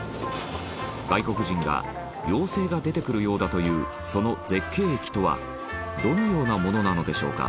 外国人が妖精が出てくるようだと言うその絶景駅とはどのようなものなのでしょうか